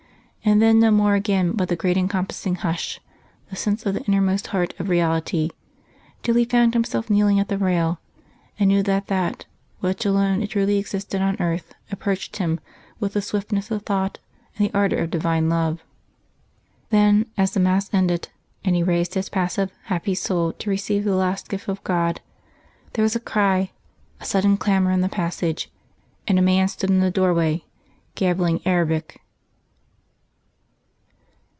And then no more again but the great encompassing hush, the sense of the innermost heart of reality, till he found himself kneeling at the rail, and knew that That which alone truly existed on earth approached him with the swiftness of thought and the ardour of Divine Love.... Then, as the mass ended, and he raised his passive happy soul to receive the last gift of God, there was a cry, a sudden clamour in the passage, and a man stood in the doorway, gabbling Arabic.